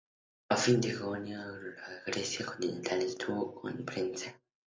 El fin de la hegemonía aquea en la Grecia continental es motivo de controversia.